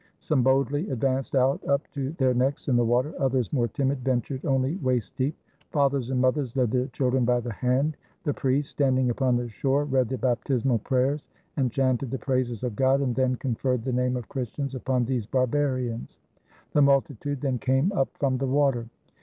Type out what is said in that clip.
Some boldly advanced out up to their necks in the water; others, more timid, ventured only waist deep. Fathers and mothers led their children by the hand. The priests, standing upon the shore, read the baptismal prayers, and chanted the praises of God, and then con ferred the name of Christians upon these barbarians. The multitude then came up from the water.